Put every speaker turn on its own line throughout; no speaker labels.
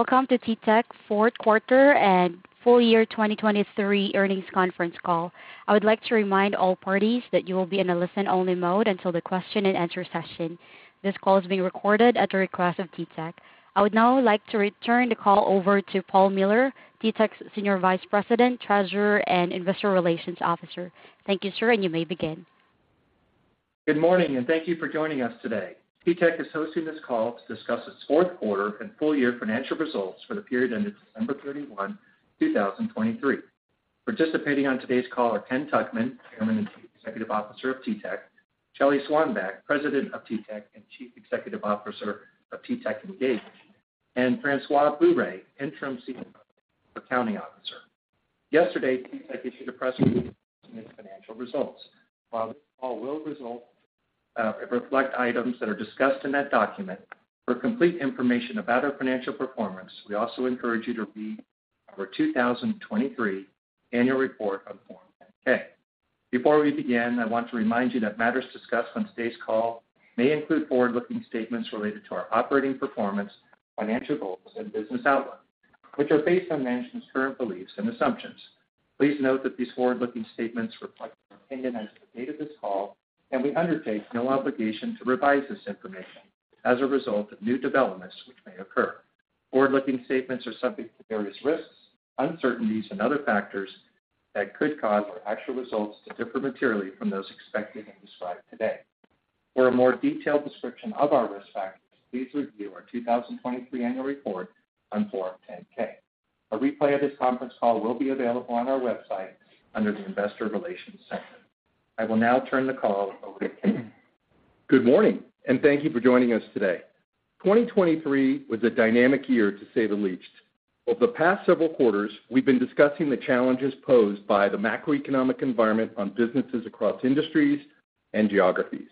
Welcome to TTEC fourth quarter and full year 2023 earnings conference call. I would like to remind all parties that you will be in a listen-only mode until the question-and-answer session. This call is being recorded at the request of TTEC. I would now like to return the call over to Paul Miller, TTEC's Senior Vice President, Treasurer, and Investor Relations Officer. Thank you, sir, and you may begin.
Good morning, and thank you for joining us today. TTEC is hosting this call to discuss its fourth quarter and full year financial results for the period ended December 31, 2023. Participating on today's call are Ken Tuchman, Chairman and Chief Executive Officer of TTEC, Shelly Swanback, President of TTEC and Chief Executive Officer of TTEC Engage, and Francois Bourret, Interim CFO and Accounting Officer. Yesterday, TTEC issued a press release discussing its financial results. While this call will reflect items that are discussed in that document, for complete information about our financial performance, we also encourage you to read our 2023 annual report on Form 10-K. Before we begin, I want to remind you that matters discussed on today's call may include forward-looking statements related to our operating performance, financial goals, and business outlook, which are based on management's current beliefs and assumptions. Please note that these forward-looking statements reflect our opinion as of the date of this call, and we undertake no obligation to revise this information as a result of new developments which may occur. Forward-looking statements are subject to various risks, uncertainties, and other factors that could cause our actual results to differ materially from those expected and described today. For a more detailed description of our risk factors, please review our 2023 annual report on Form 10-K. A replay of this conference call will be available on our website under the Investor Relations section. I will now turn the call over to Ken.
Good morning, and thank you for joining us today. 2023 was a dynamic year, to say the least. Over the past several quarters, we've been discussing the challenges posed by the macroeconomic environment on businesses across industries and geographies.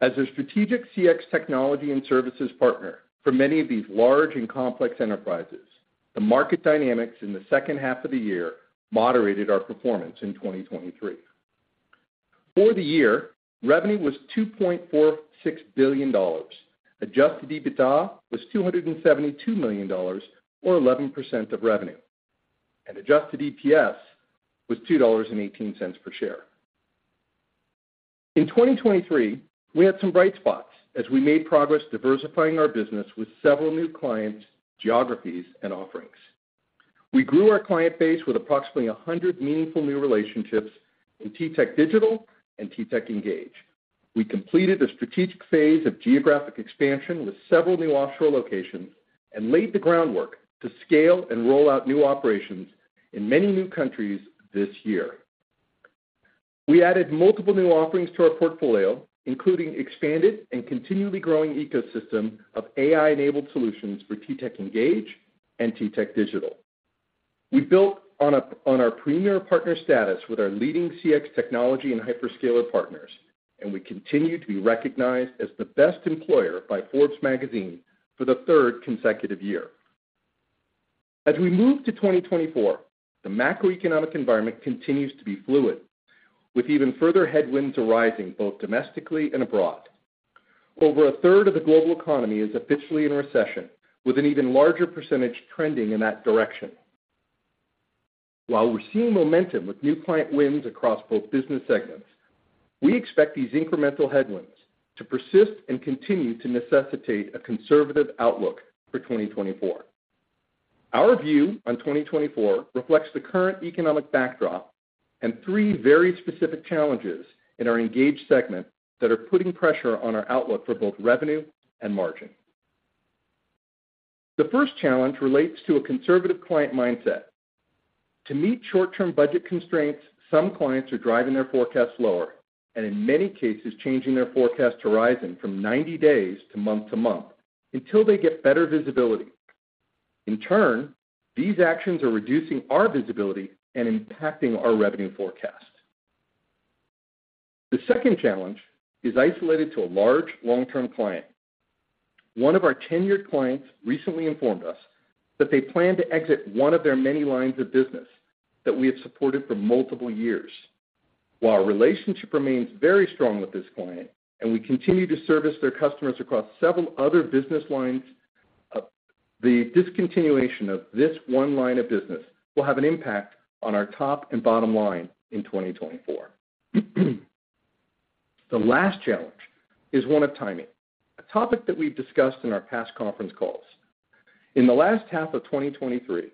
As a strategic CX technology and services partner for many of these large and complex enterprises, the market dynamics in the second half of the year moderated our performance in 2023. For the year, revenue was $2.46 billion, adjusted EBITDA was $272 million, or 11% of revenue, and adjusted EPS was $2.18 per share. In 2023, we had some bright spots as we made progress diversifying our business with several new clients, geographies, and offerings. We grew our client base with approximately 100 meaningful new relationships in TTEC Digital and TTEC Engage. We completed a strategic phase of geographic expansion with several new offshore locations and laid the groundwork to scale and roll out new operations in many new countries this year. We added multiple new offerings to our portfolio, including an expanded and continually growing ecosystem of AI-enabled solutions for TTEC Engage and TTEC Digital. We built on our premier partner status with our leading CX technology and hyperscaler partners, and we continue to be recognized as the best employer by Forbes magazine for the third consecutive year. As we move to 2024, the macroeconomic environment continues to be fluid, with even further headwinds arising both domestically and abroad. Over a third of the global economy is officially in recession, with an even larger percentage trending in that direction. While we're seeing momentum with new client wins across both business segments, we expect these incremental headwinds to persist and continue to necessitate a conservative outlook for 2024. Our view on 2024 reflects the current economic backdrop and three very specific challenges in our Engage segment that are putting pressure on our outlook for both revenue and margin. The first challenge relates to a conservative client mindset. To meet short-term budget constraints, some clients are driving their forecasts lower and, in many cases, changing their forecast horizon from 90 days to month to month until they get better visibility. In turn, these actions are reducing our visibility and impacting our revenue forecast. The second challenge is isolated to a large, long-term client. One of our tenured clients recently informed us that they plan to exit one of their many lines of business that we have supported for multiple years. While our relationship remains very strong with this client and we continue to service their customers across several other business lines, the discontinuation of this one line of business will have an impact on our top and bottom line in 2024. The last challenge is one of timing, a topic that we've discussed in our past conference calls. In the last half of 2023,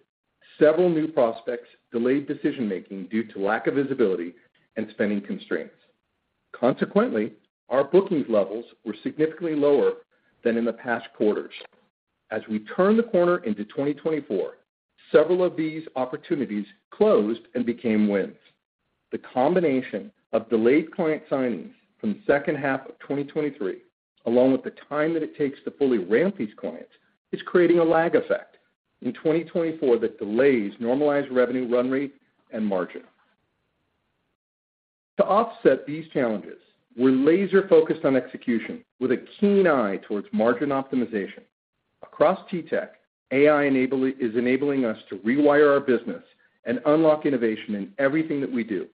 several new prospects delayed decision-making due to lack of visibility and spending constraints. Consequently, our bookings levels were significantly lower than in the past quarters. As we turn the corner into 2024, several of these opportunities closed and became wins. The combination of delayed client signings from the second half of 2023, along with the time that it takes to fully ramp these clients, is creating a lag effect in 2024 that delays normalized revenue run rate and margin. To offset these challenges, we're laser-focused on execution with a keen eye towards margin optimization. Across TTEC, AI is enabling us to rewire our business and unlock innovation in everything that we do.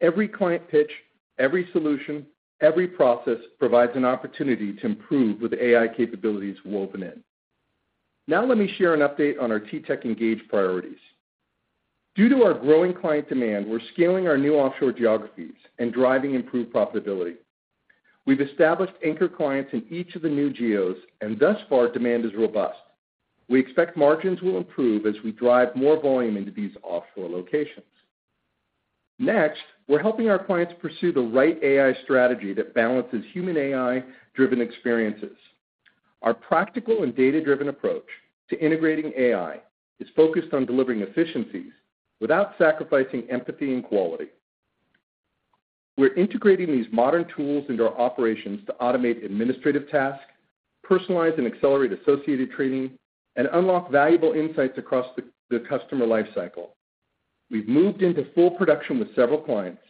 Every client pitch, every solution, every process provides an opportunity to improve with AI capabilities woven in. Now let me share an update on our TTEC Engage priorities. Due to our growing client demand, we're scaling our new offshore geographies and driving improved profitability. We've established anchor clients in each of the new geos, and thus far, demand is robust. We expect margins will improve as we drive more volume into these offshore locations. Next, we're helping our clients pursue the right AI strategy that balances human AI-driven experiences. Our practical and data-driven approach to integrating AI is focused on delivering efficiencies without sacrificing empathy and quality. We're integrating these modern tools into our operations to automate administrative tasks, personalize and accelerate associated training, and unlock valuable insights across the customer lifecycle. We've moved into full production with several clients,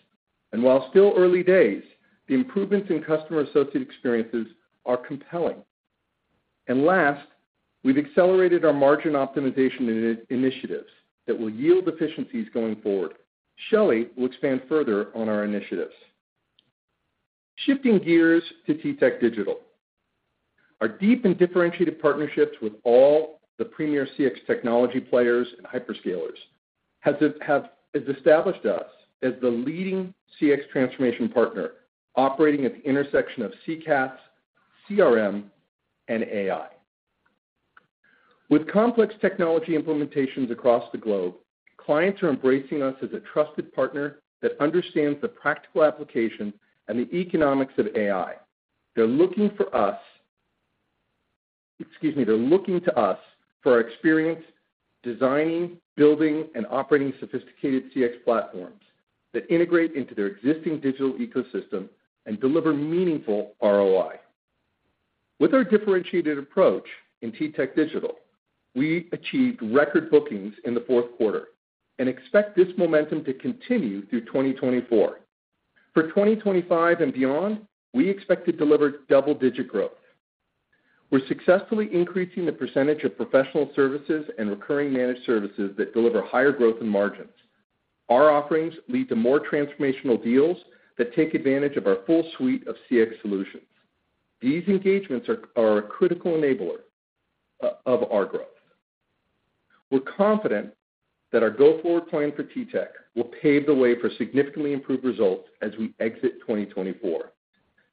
and while still early days, the improvements in customer-associated experiences are compelling. And last, we've accelerated our margin optimization initiatives that will yield efficiencies going forward. Shelly will expand further on our initiatives. Shifting gears to TTEC Digital. Our deep and differentiated partnerships with all the premier CX technology players and hyperscalers have established us as the leading CX transformation partner operating at the intersection of CCaaS, CRM, and AI. With complex technology implementations across the globe, clients are embracing us as a trusted partner that understands the practical application and the economics of AI. They're looking for us, excuse me, they're looking to us for our experience designing, building, and operating sophisticated CX platforms that integrate into their existing Digital ecosystem and deliver meaningful ROI. With our differentiated approach in TTEC Digital, we achieved record bookings in the fourth quarter and expect this momentum to continue through 2024. For 2025 and beyond, we expect to deliver double-digit growth. We're successfully increasing the percentage of professional services and recurring managed services that deliver higher growth in margins. Our offerings lead to more transformational deals that take advantage of our full suite of CX solutions. These engagements are a critical enabler of our growth. We're confident that our go-forward plan for TTEC will pave the way for significantly improved results as we exit 2024,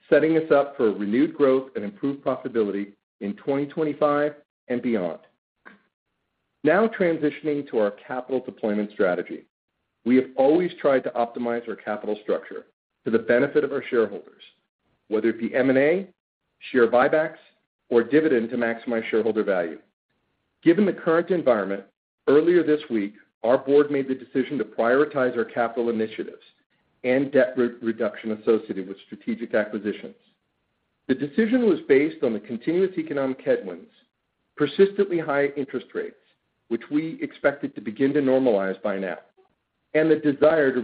setting us up for renewed growth and improved profitability in 2025 and beyond. Now transitioning to our capital deployment strategy. We have always tried to optimize our capital structure to the benefit of our shareholders, whether it be M&A, share buybacks, or dividend to maximize shareholder value. Given the current environment, earlier this week, our board made the decision to prioritize our capital initiatives and debt reduction associated with strategic acquisitions. The decision was based on the continuous economic headwinds, persistently high interest rates, which we expected to begin to normalize by now, and the desire to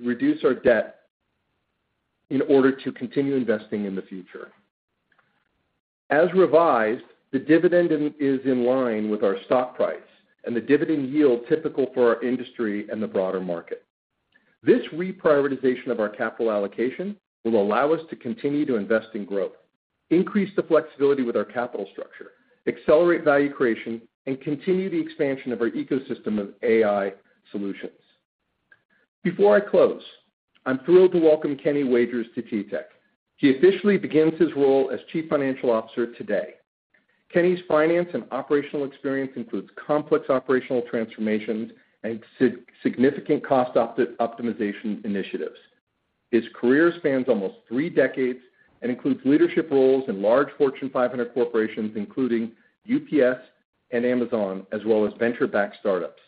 reduce our debt in order to continue investing in the future. As revised, the dividend is in line with our stock price and the dividend yield typical for our industry and the broader market. This reprioritization of our capital allocation will allow us to continue to invest in growth, increase the flexibility with our capital structure, accelerate value creation, and continue the expansion of our ecosystem of AI solutions. Before I close, I'm thrilled to welcome Kenny Wagers to TTEC. He officially begins his role as Chief Financial Officer today. Kenny's finance and operational experience includes complex operational transformations and significant cost optimization initiatives. His career spans almost three decades and includes leadership roles in large Fortune 500 corporations, including UPS and Amazon, as well as venture-backed startups.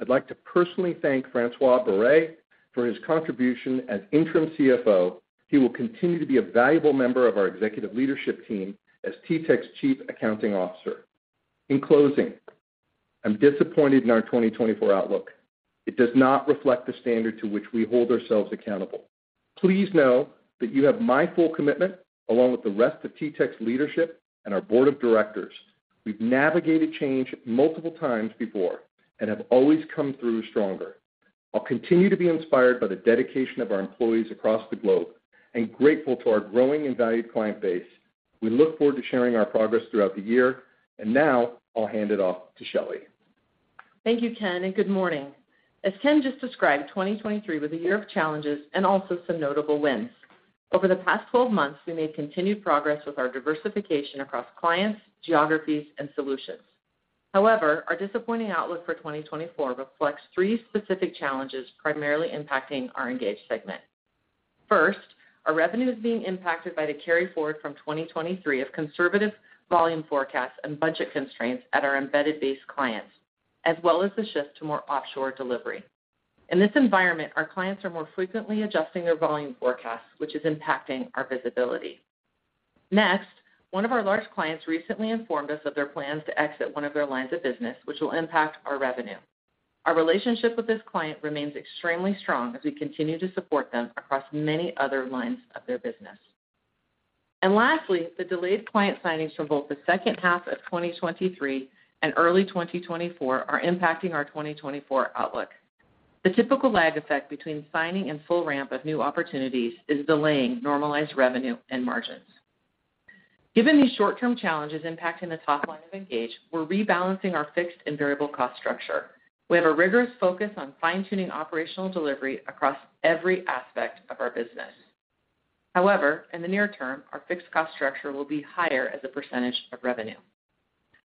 I'd like to personally thank Francois Bourret for his contribution as Interim CFO. He will continue to be a valuable member of our executive leadership team as TTEC's Chief Accounting Officer. In closing, I'm disappointed in our 2024 outlook. It does not reflect the standard to which we hold ourselves accountable. Please know that you have my full commitment, along with the rest of TTEC's leadership and our board of directors. We've navigated change multiple times before and have always come through stronger. I'll continue to be inspired by the dedication of our employees across the globe and grateful to our growing and valued client base. We look forward to sharing our progress throughout the year, and now I'll hand it off to Shelly.
Thank you, Ken, and good morning. As Ken just described, 2023 was a year of challenges and also some notable wins. Over the past 12 months, we made continued progress with our diversification across clients, geographies, and solutions. However, our disappointing outlook for 2024 reflects three specific challenges primarily impacting our Engage segment. First, our revenue is being impacted by the carryforward from 2023 of conservative volume forecasts and budget constraints at our embedded based clients, as well as the shift to more offshore delivery. In this environment, our clients are more frequently adjusting their volume forecasts, which is impacting our visibility. Next, one of our large clients recently informed us of their plans to exit one of their lines of business, which will impact our revenue. Our relationship with this client remains extremely strong as we continue to support them across many other lines of their business. Lastly, the delayed client signings from both the second half of 2023 and early 2024 are impacting our 2024 outlook. The typical lag effect between signing and full ramp of new opportunities is delaying normalized revenue and margins. Given these short-term challenges impacting the top line of Engage, we're rebalancing our fixed and variable cost structure. We have a rigorous focus on fine-tuning operational delivery across every aspect of our business. However, in the near term, our fixed cost structure will be higher as a percentage of revenue.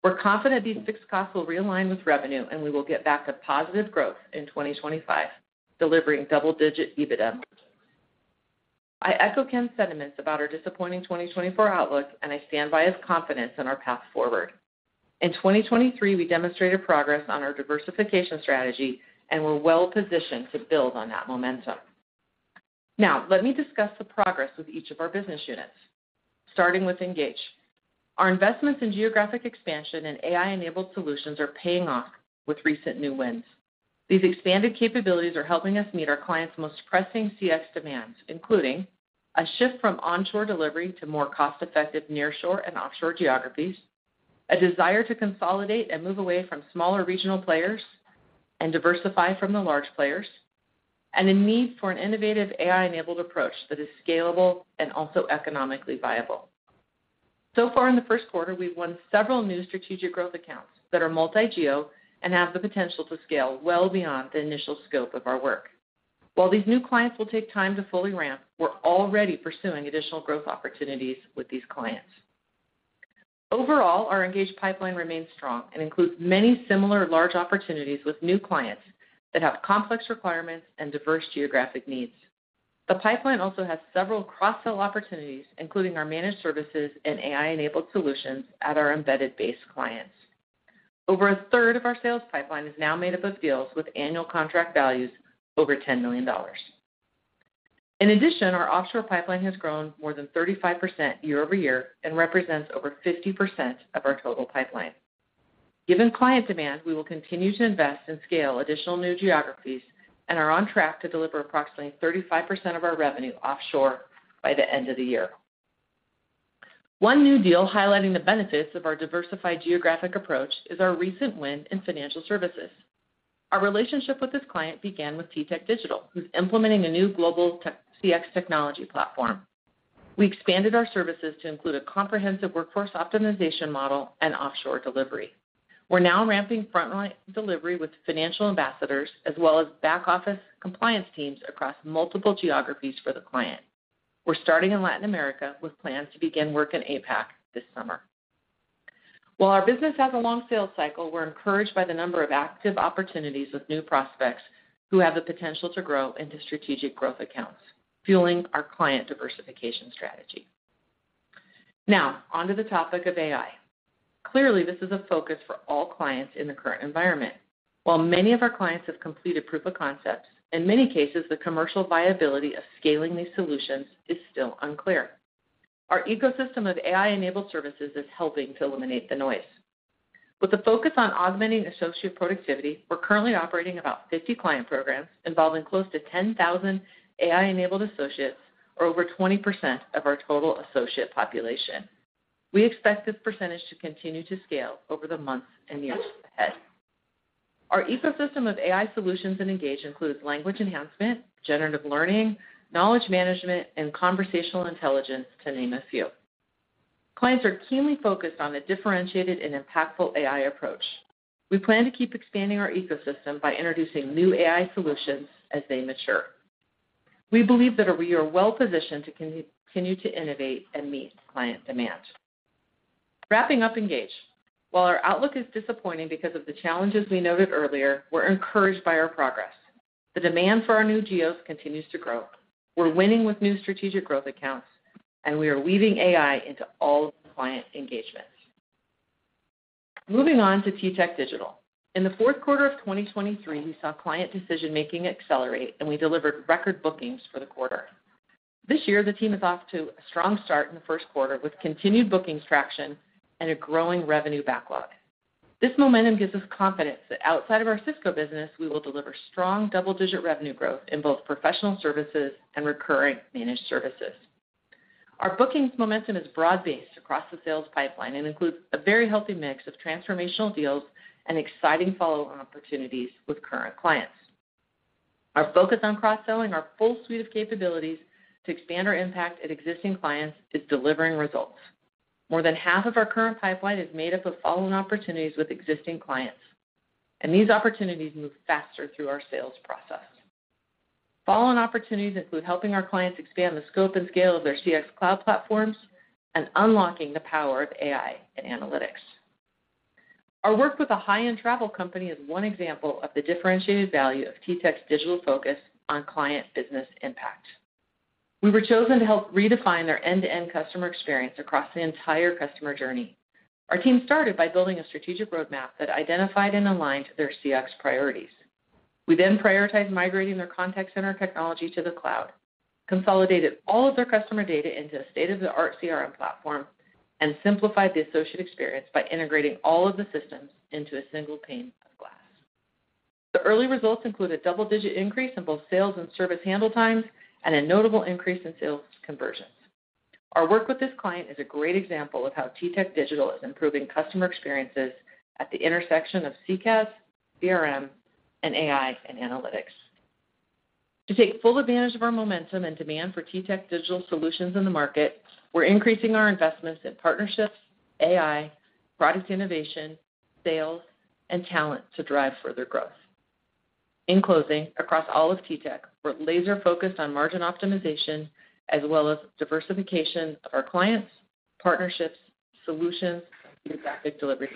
We're confident these fixed costs will realign with revenue, and we will get back a positive growth in 2025, delivering double-digit EBITDA. I echo Ken's sentiments about our disappointing 2024 outlook, and I stand by his confidence in our path forward. In 2023, we demonstrated progress on our diversification strategy, and we're well-positioned to build on that momentum. Now, let me discuss the progress with each of our business units. Starting with Engage, our investments in geographic expansion and AI-enabled solutions are paying off with recent new wins. These expanded capabilities are helping us meet our clients' most pressing CX demands, including a shift from onshore delivery to more cost-effective nearshore and offshore geographies, a desire to consolidate and move away from smaller regional players and diversify from the large players, and a need for an innovative AI-enabled approach that is scalable and also economically viable. So far in the first quarter, we've won several new strategic growth accounts that are multi-geo and have the potential to scale well beyond the initial scope of our work. While these new clients will take time to fully ramp, we're already pursuing additional growth opportunities with these clients. Overall, our Engage pipeline remains strong and includes many similar large opportunities with new clients that have complex requirements and diverse geographic needs. The pipeline also has several cross-sell opportunities, including our managed services and AI-enabled solutions at our embedded based clients. Over a third of our sales pipeline is now made up of deals with annual contract values over $10 million. In addition, our offshore pipeline has grown more than 35% year-over-year and represents over 50% of our total pipeline. Given client demand, we will continue to invest and scale additional new geographies and are on track to deliver approximately 35% of our revenue offshore by the end of the year. One new deal highlighting the benefits of our diversified geographic approach is our recent win in financial services. Our relationship with this client began with TTEC Digital, who's implementing a new global CX technology platform. We expanded our services to include a comprehensive workforce optimization model and offshore delivery. We're now ramping frontline delivery with financial ambassadors, as well as back-office compliance teams across multiple geographies for the client. We're starting in Latin America with plans to begin work in APAC this summer. While our business has a long sales cycle, we're encouraged by the number of active opportunities with new prospects who have the potential to grow into strategic growth accounts, fueling our client diversification strategy. Now, onto the topic of AI. Clearly, this is a focus for all clients in the current environment. While many of our clients have completed proof of concepts, in many cases, the commercial viability of scaling these solutions is still unclear. Our ecosystem of AI-enabled services is helping to eliminate the noise. With a focus on augmenting associate productivity, we're currently operating about 50 client programs involving close to 10,000 AI-enabled associates, or over 20% of our total associate population. We expect this percentage to continue to scale over the months and years ahead. Our ecosystem of AI solutions in Engage includes language enhancement, generative learning, knowledge management, and conversational intelligence, to name a few. Clients are keenly focused on a differentiated and impactful AI approach. We plan to keep expanding our ecosystem by introducing new AI solutions as they mature. We believe that we are well-positioned to continue to innovate and meet client demand. Wrapping up Engage. While our outlook is disappointing because of the challenges we noted earlier, we're encouraged by our progress. The demand for our new geos continues to grow. We're winning with new strategic growth accounts, and we are weaving AI into all client engagements. Moving on to TTEC Digital. In the fourth quarter of 2023, we saw client decision-making accelerate, and we delivered record bookings for the quarter. This year, the team is off to a strong start in the first quarter with continued bookings traction and a growing revenue backlog. This momentum gives us confidence that outside of our Cisco business, we will deliver strong double-digit revenue growth in both professional services and recurring managed services. Our bookings momentum is broad-based across the sales pipeline and includes a very healthy mix of transformational deals and exciting follow-on opportunities with current clients. Our focus on cross-selling our full suite of capabilities to expand our impact at existing clients is delivering results. More than half of our current pipeline is made up of follow-on opportunities with existing clients, and these opportunities move faster through our sales process. Follow-on opportunities include helping our clients expand the scope and scale of their CX cloud platforms and unlocking the power of AI and analytics. Our work with a high-end travel company is one example of the differentiated value of TTEC's Digital focus on client-business impact. We were chosen to help redefine their end-to-end customer experience across the entire customer journey. Our team started by building a strategic roadmap that identified and aligned their CX priorities. We then prioritized migrating their contact center technology to the cloud, consolidated all of their customer data into a state-of-the-art CRM platform, and simplified the associate experience by integrating all of the systems into a single pane of glass. The early results included double-digit increase in both sales and service handle times and a notable increase in sales conversions. Our work with this client is a great example of how TTEC Digital is improving customer experiences at the intersection of CCaaS, CRM, and AI and analytics. To take full advantage of our momentum and demand for TTEC Digital solutions in the market, we're increasing our investments in partnerships, AI, product innovation, sales, and talent to drive further growth. In closing, across all of TTEC, we're laser-focused on margin optimization as well as diversification of our clients, partnerships, solutions, and Digital delivery.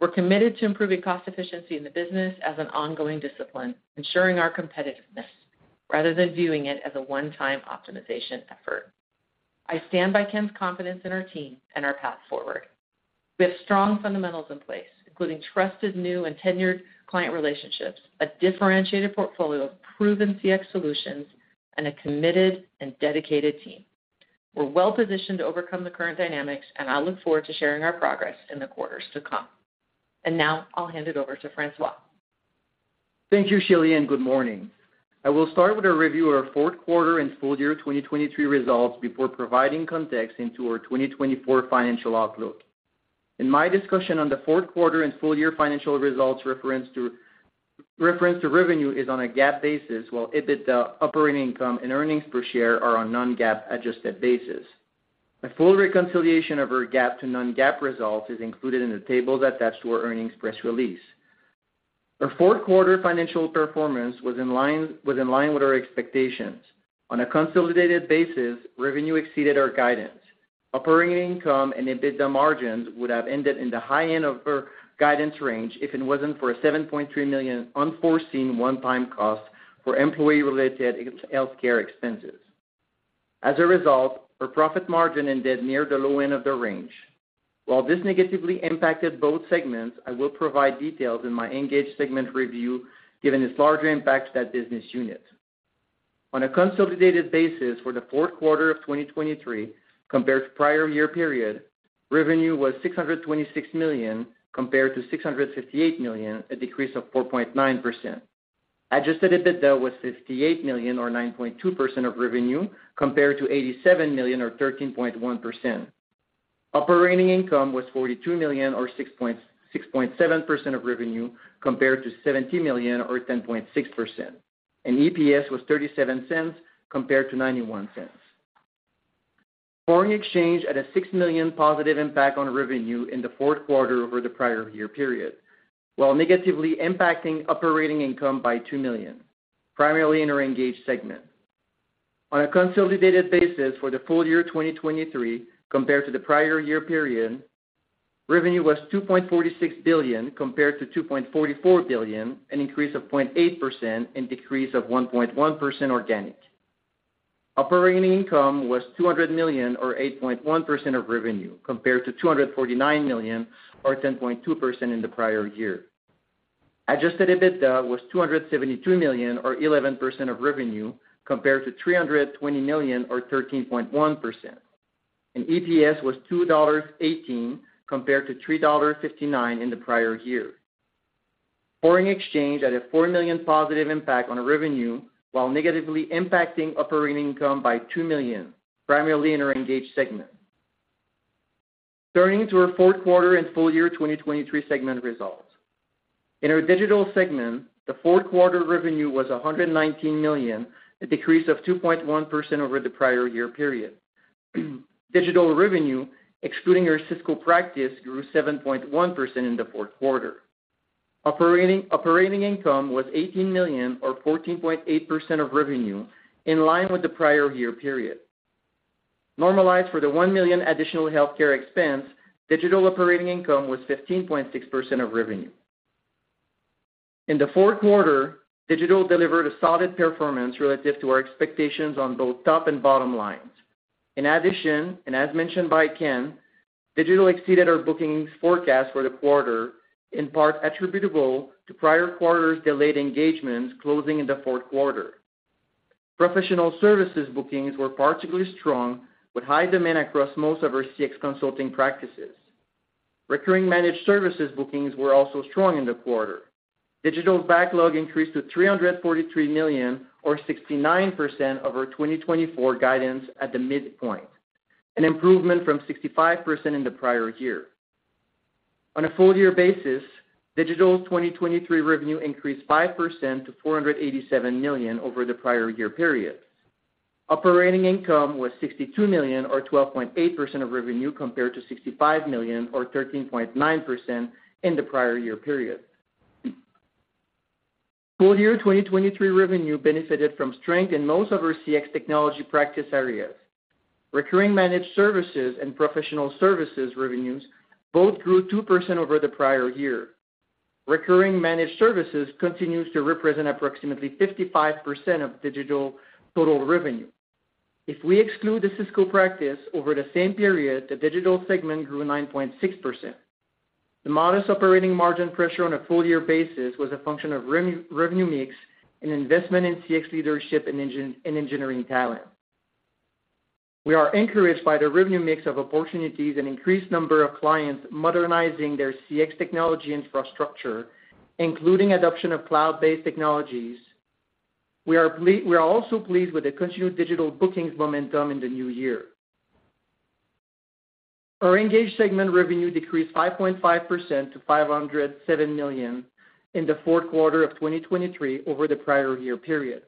We're committed to improving cost efficiency in the business as an ongoing discipline, ensuring our competitiveness rather than viewing it as a one-time optimization effort. I stand by Ken's confidence in our team and our path forward. We have strong fundamentals in place, including trusted new and tenured client relationships, a differentiated portfolio of proven CX solutions, and a committed and dedicated team. We're well-positioned to overcome the current dynamics, and I look forward to sharing our progress in the quarters to come. Now I'll hand it over to Francois.
Thank you, Shelly, and good morning. I will start with a review of our fourth quarter and full year 2023 results before providing context into our 2024 financial outlook. In my discussion on the fourth quarter and full year financial results, reference to revenue is on a GAAP basis, while EBITDA, operating income, and earnings per share are on non-GAAP adjusted basis. A full reconciliation of our GAAP-to-non-GAAP results is included in the tables attached to our earnings press release. Our fourth quarter financial performance was in line with our expectations. On a consolidated basis, revenue exceeded our guidance. Operating income and EBITDA margins would have ended in the high end of our guidance range if it wasn't for a $7.3 million unforeseen one-time cost for employee-related healthcare expenses. As a result, our profit margin ended near the low end of the range. While this negatively impacted both segments, I will provide details in my Engage segment review given its larger impact to that business unit. On a consolidated basis for the fourth quarter of 2023 compared to prior year period, revenue was $626 million compared to $658 million, a decrease of 4.9%. Adjusted EBITDA was $58 million or 9.2% of revenue compared to $87 million or 13.1%. Operating income was $42 million or 6.7% of revenue compared to $70 million or 10.6%, and EPS was $0.37 compared to $0.91. Foreign exchange had a $6 million positive impact on revenue in the fourth quarter over the prior year period while negatively impacting operating income by $2 million, primarily in our Engage segment. On a consolidated basis for the full year 2023 compared to the prior year period, revenue was $2.46 billion compared to $2.44 billion, an increase of 0.8% and decrease of 1.1% organic. Operating income was $200 million or 8.1% of revenue compared to $249 million or 10.2% in the prior year. Adjusted EBITDA was $272 million or 11% of revenue compared to $320 million or 13.1%, and EPS was $2.18 compared to $3.59 in the prior year. Foreign exchange had a $4 million positive impact on revenue while negatively impacting operating income by $2 million, primarily in our Engage segment. Turning to our fourth quarter and full year 2023 segment results. In our Digital segment, the fourth quarter revenue was $119 million, a decrease of 2.1% over the prior year period. Digital revenue, excluding our Cisco practice, grew 7.1% in the fourth quarter. Operating income was $18 million or 14.8% of revenue in line with the prior year period. Normalized for the $1 million additional healthcare expense, Digital operating income was 15.6% of revenue. In the fourth quarter, Digital delivered a solid performance relative to our expectations on both top and bottom lines. In addition, and as mentioned by Ken, Digital exceeded our bookings forecast for the quarter, in part attributable to prior quarters' delayed engagements closing in the fourth quarter. Professional services bookings were particularly strong with high demand across most of our CX consulting practices. Recurring managed services bookings were also strong in the quarter. Digital backlog increased to $343 million or 69% of our 2024 guidance at the midpoint, an improvement from 65% in the prior year. On a full year basis, Digital's 2023 revenue increased 5% to $487 million over the prior year period. Operating income was $62 million or 12.8% of revenue compared to $65 million or 13.9% in the prior year period. Full year 2023 revenue benefited from strength in most of our CX technology practice areas. Recurring managed services and professional services revenues both grew 2% over the prior year. Recurring managed services continues to represent approximately 55% of Digital total revenue. If we exclude the Cisco practice, over the same period, the Digital segment grew 9.6%. The modest operating margin pressure on a full year basis was a function of revenue mix and investment in CX leadership and engineering talent. We are encouraged by the revenue mix of opportunities and increased number of clients modernizing their CX technology infrastructure, including adoption of cloud-based technologies. We are also pleased with the continued Digital bookings momentum in the new year. Our Engage segment revenue decreased 5.5% to $507 million in the fourth quarter of 2023 over the prior year period.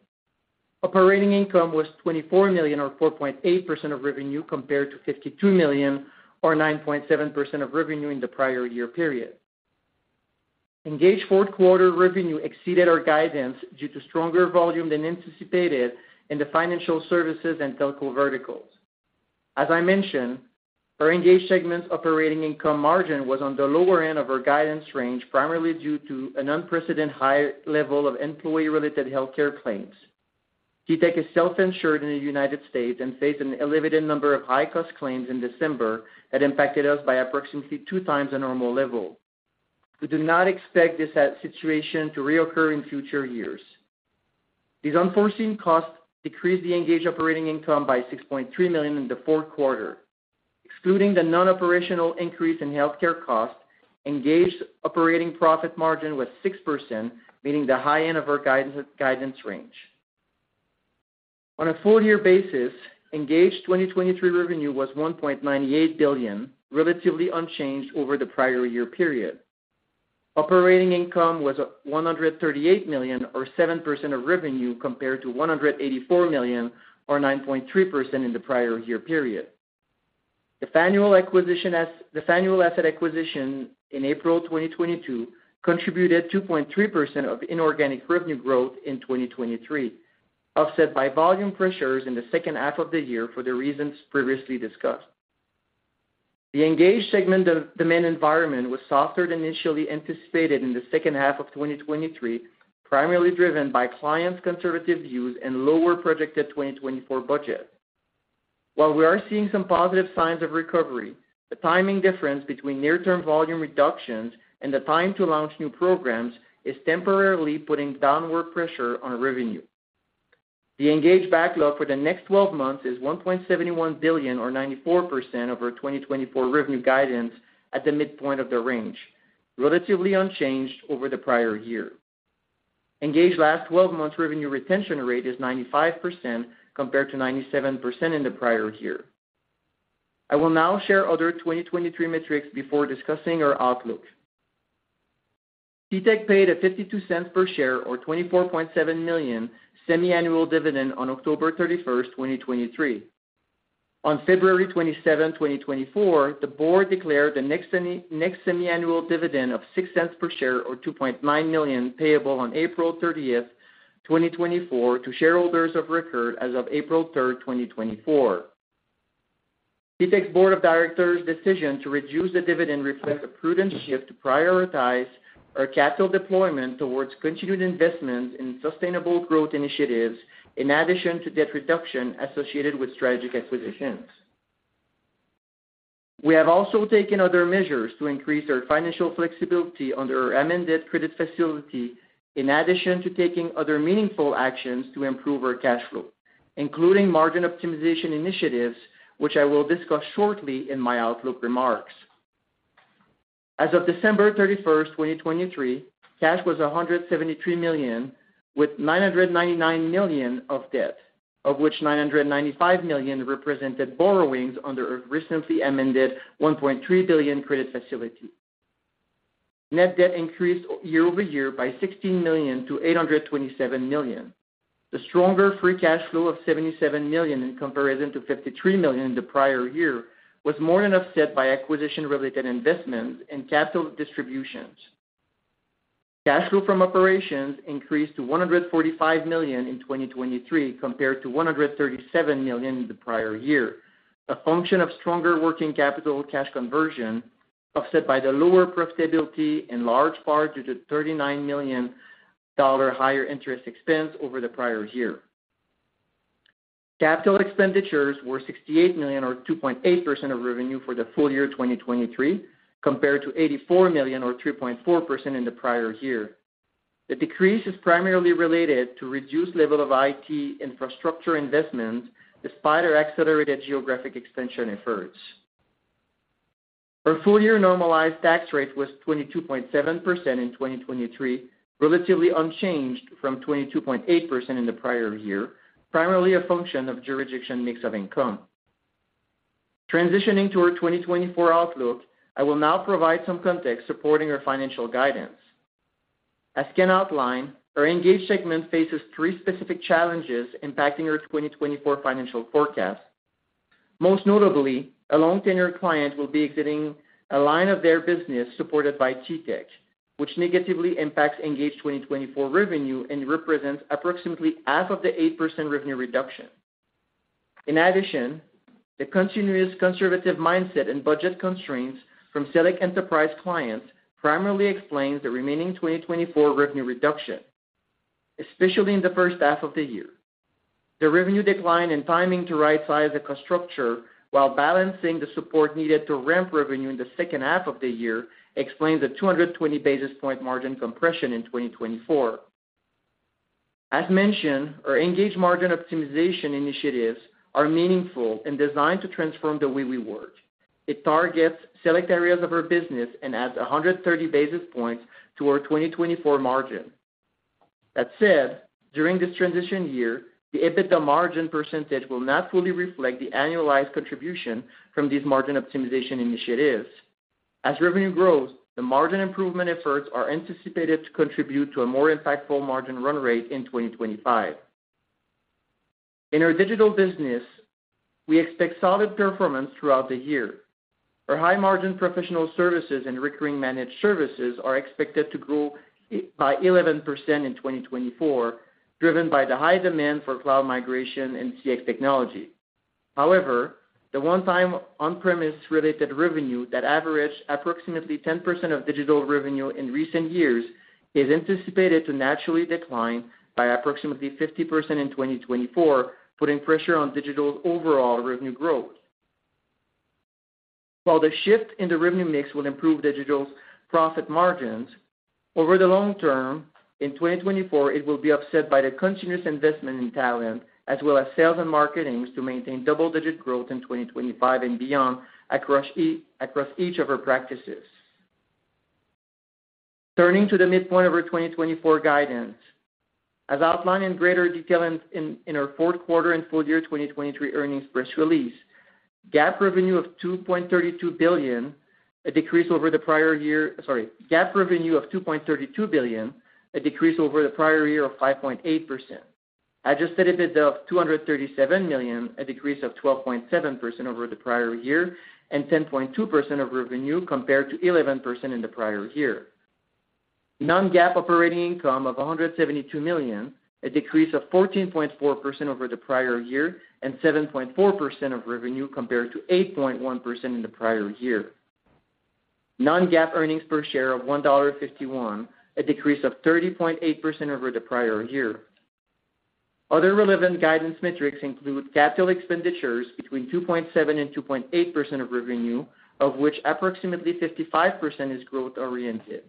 Operating income was $24 million or 4.8% of revenue compared to $52 million or 9.7% of revenue in the prior year period. Engage fourth quarter revenue exceeded our guidance due to stronger volume than anticipated in the financial services and telco verticals. As I mentioned, our Engage segment's operating income margin was on the lower end of our guidance range, primarily due to an unprecedented high level of employee-related healthcare claims. TTEC is self-insured in the United States and faced an elevated number of high-cost claims in December that impacted us by approximately 2x the normal level. We do not expect this situation to reoccur in future years. These unforeseen costs decreased the Engage operating income by $6.3 million in the fourth quarter. Excluding the non-operational increase in healthcare costs, Engage's operating profit margin was 6%, meaning the high end of our guidance range. On a full year basis, Engage 2023 revenue was $1.98 billion, relatively unchanged over the prior year period. Operating income was $138 million or 7% of revenue compared to $184 million or 9.3% in the prior year period. The annual asset acquisition in April 2022 contributed 2.3% of inorganic revenue growth in 2023, offset by volume pressures in the second half of the year for the reasons previously discussed. The Engage segment demand environment was softer than initially anticipated in the second half of 2023, primarily driven by clients' conservative views and lower projected 2024 budget. While we are seeing some positive signs of recovery, the timing difference between near-term volume reductions and the time to launch new programs is temporarily putting downward pressure on revenue. The Engage backlog for the next 12 months is $1.71 billion or 94% of our 2024 revenue guidance at the midpoint of the range, relatively unchanged over the prior year. Engage last 12 months' revenue retention rate is 95% compared to 97% in the prior year. I will now share other 2023 metrics before discussing our outlook. TTEC paid a $0.52 per share or $24.7 million semiannual dividend on October 31st, 2023. On February 27th, 2024, the board declared the next semiannual dividend of $0.06 per share or $2.9 million payable on April 30th, 2024, to shareholders of record as of April 3rd, 2024. TTEC's board of directors' decision to reduce the dividend reflects a prudent shift to prioritize our capital deployment towards continued investments in sustainable growth initiatives in addition to debt reduction associated with strategic acquisitions. We have also taken other measures to increase our financial flexibility under our amended credit facility in addition to taking other meaningful actions to improve our cash flow, including margin optimization initiatives, which I will discuss shortly in my outlook remarks. As of December 31st, 2023, cash was $173 million with $999 million of debt, of which $995 million represented borrowings under our recently amended $1.3 billion credit facility. Net debt increased year over year by $16 million to $827 million. The stronger free cash flow of $77 million in comparison to $53 million in the prior year was more than offset by acquisition-related investments and capital distributions. Cash flow from operations increased to $145 million in 2023 compared to $137 million in the prior year, a function of stronger working capital cash conversion offset by the lower profitability, in large part due to $39 million higher interest expense over the prior year. Capital expenditures were $68 million or 2.8% of revenue for the full year 2023 compared to $84 million or 3.4% in the prior year. The decrease is primarily related to reduced level of IT infrastructure investments despite our accelerated geographic extension efforts. Our full year normalized tax rate was 22.7% in 2023, relatively unchanged from 22.8% in the prior year, primarily a function of jurisdiction mix of income. Transitioning to our 2024 outlook, I will now provide some context supporting our financial guidance. As Ken outlined, our Engage segment faces three specific challenges impacting our 2024 financial forecast. Most notably, a long-tenured client will be exiting a line of their business supported by TTEC, which negatively impacts Engage 2024 revenue and represents approximately half of the 8% revenue reduction. In addition, the continuous conservative mindset and budget constraints from Select Enterprise clients primarily explain the remaining 2024 revenue reduction, especially in the first half of the year. The revenue decline and timing to right-size the cost structure while balancing the support needed to ramp revenue in the second half of the year explains the 220 basis point margin compression in 2024. As mentioned, our Engage margin optimization initiatives are meaningful and designed to transform the way we work. It targets select areas of our business and adds 130 basis points to our 2024 margin. That said, during this transition year, the EBITDA margin percentage will not fully reflect the annualized contribution from these margin optimization initiatives. As revenue grows, the margin improvement efforts are anticipated to contribute to a more impactful margin run rate in 2025. In our Digital business, we expect solid performance throughout the year. Our high-margin professional services and recurring managed services are expected to grow by 11% in 2024, driven by the high demand for cloud migration and CX technology. However, the one-time on-premise-related revenue that averaged approximately 10% of Digital revenue in recent years is anticipated to naturally decline by approximately 50% in 2024, putting pressure on Digital's overall revenue growth. While the shift in the revenue mix will improve Digital's profit margins, over the long term, in 2024, it will be offset by the continuous investment in talent as well as sales and marketing to maintain double-digit growth in 2025 and beyond across each of our practices. Turning to the midpoint of our 2024 guidance. As outlined in greater detail in our fourth quarter and full-year 2023 earnings press release, GAAP revenue of $2.32 billion, a decrease over the prior year of 5.8%. Adjusted EBITDA of $237 million, a decrease of 12.7% over the prior year and 10.2% of revenue compared to 11% in the prior year. Non-GAAP operating income of $172 million, a decrease of 14.4% over the prior year and 7.4% of revenue compared to 8.1% in the prior year. Non-GAAP earnings per share of $1.51, a decrease of 30.8% over the prior year. Other relevant guidance metrics include capital expenditures between 2.7%-2.8% of revenue, of which approximately 55% is growth-oriented.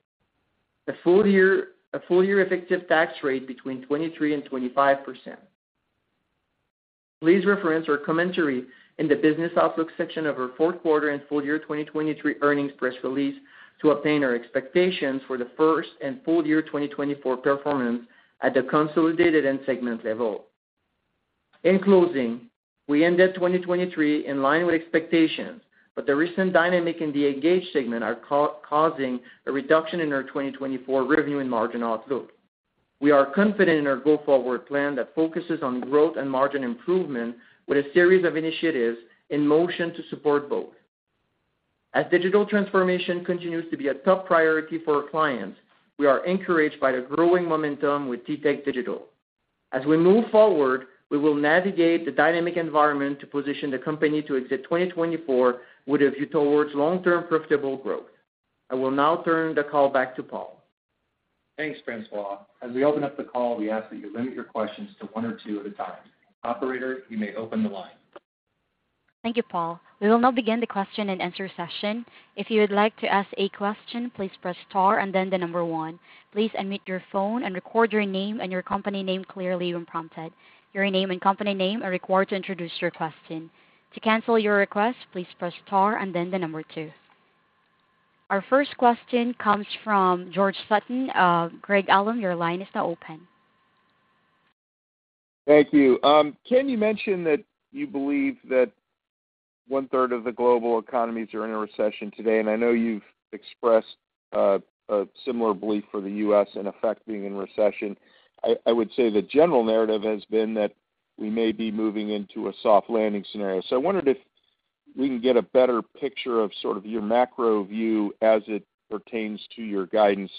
A full-year effective tax rate between 23%-25%. Please reference our commentary in the business outlook section of our fourth quarter and full year 2023 earnings press release to obtain our expectations for the first and full year 2024 performance at the consolidated end segment level. In closing, we ended 2023 in line with expectations, but the recent dynamic in the Engage segment is causing a reduction in our 2024 revenue and margin outlook. We are confident in our go-forward plan that focuses on growth and margin improvement with a series of initiatives in motion to support both. As Digital transformation continues to be a top priority for our clients, we are encouraged by the growing momentum with TTEC Digital. As we move forward, we will navigate the dynamic environment to position the company to exit 2024 with a view towards long-term profitable growth. I will now turn the call back to Paul.
Thanks, Francois. As we open up the call, we ask that you limit your questions to one or two at a time. Operator, you may open the line.
Thank you, Paul. We will now begin the question-and-answer session. If you would like to ask a question, please press star and then the number 1. Please unmute your phone and record your name and your company name clearly when prompted. Your name and company name are required to introduce your question. To cancel your request, please press star and then the number 2. Our first question comes from George Sutton. Craig-Hallum, your line is now open.
Thank you. Ken, you mentioned that you believe that one-third of the global economies are in a recession today, and I know you've expressed a similar belief for the U.S. and effect being in recession. I would say the general narrative has been that we may be moving into a soft landing scenario. So I wondered if we can get a better picture of sort of your macro view as it pertains to your guidance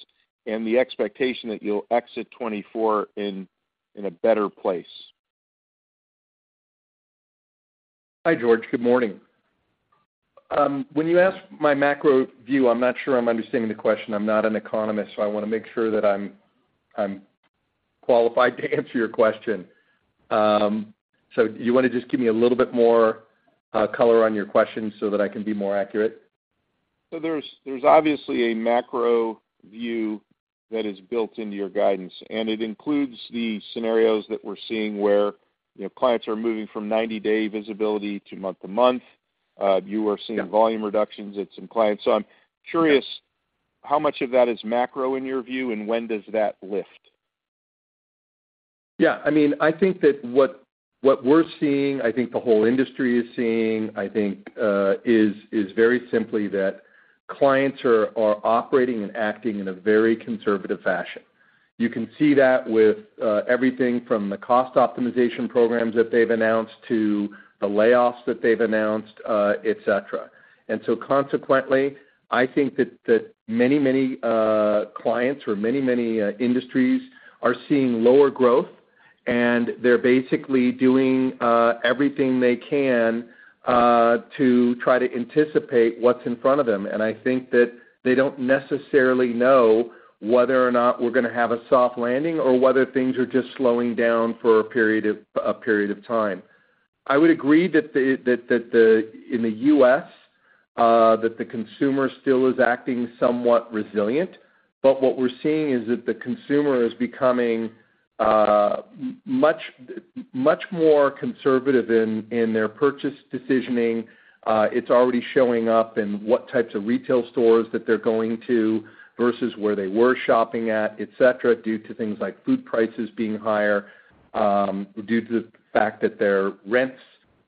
and the expectation that you'll exit 2024 in a better place.
Hi, George. Good morning. When you asked my macro view, I'm not sure I'm understanding the question. I'm not an economist, so I want to make sure that I'm qualified to answer your question. So do you want to just give me a little bit more color on your question so that I can be more accurate?
There's obviously a macro view that is built into your guidance, and it includes the scenarios that we're seeing where clients are moving from 90-day visibility to month-to-month. You are seeing volume reductions at some clients. I'm curious, how much of that is macro in your view, and when does that lift?
Yeah. I mean, I think that what we're seeing, I think the whole industry is seeing, I think, is very simply that clients are operating and acting in a very conservative fashion. You can see that with everything from the cost optimization programs that they've announced to the layoffs that they've announced, etc. So consequently, I think that many, many clients or many, many industries are seeing lower growth, and they're basically doing everything they can to try to anticipate what's in front of them. I think that they don't necessarily know whether or not we're going to have a soft landing or whether things are just slowing down for a period of time. I would agree that in the U.S., the consumer still is acting somewhat resilient, but what we're seeing is that the consumer is becoming much more conservative in their purchase decisioning.
It's already showing up in what types of retail stores that they're going to versus where they were shopping at, etc., due to things like food prices being higher, due to the fact that their rents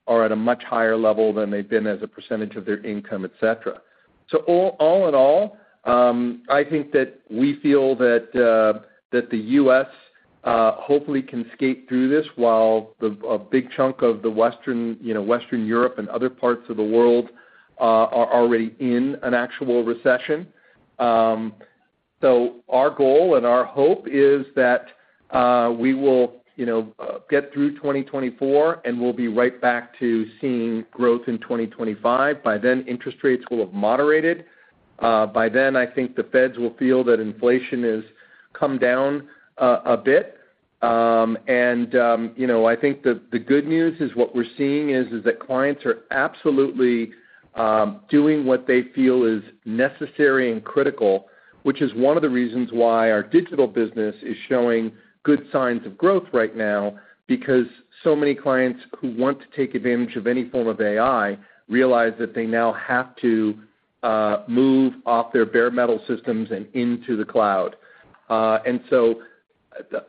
are at a much higher level than they've been as a percentage of their income, etc. So all in all, I think that we feel that the U.S. hopefully can skate through this while a big chunk of Western Europe and other parts of the world are already in an actual recession. So our goal and our hope is that we will get through 2024, and we'll be right back to seeing growth in 2025. By then, interest rates will have moderated. By then, I think the Feds will feel that inflation has come down a bit. I think the good news is what we're seeing is that clients are absolutely doing what they feel is necessary and critical, which is one of the reasons why our Digital business is showing good signs of growth right now because so many clients who want to take advantage of any form of AI realize that they now have to move off their bare metal systems and into the cloud. So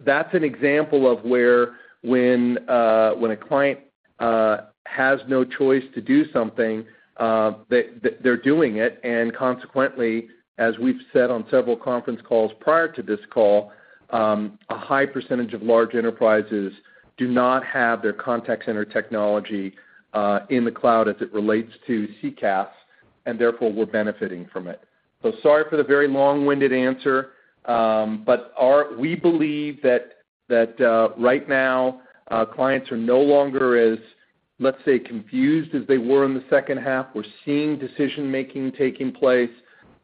that's an example of where when a client has no choice to do something, they're doing it. Consequently, as we've said on several conference calls prior to this call, a high percentage of large enterprises do not have their contact center technology in the cloud as it relates to CCaaS, and therefore, we're benefiting from it. So sorry for the very long-winded answer, but we believe that right now, clients are no longer as, let's say, confused as they were in the second half. We're seeing decision-making taking place.